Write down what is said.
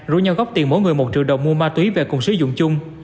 rủ nhau góp tiền mỗi người một triệu đồng mua ma túy về cùng sử dụng chung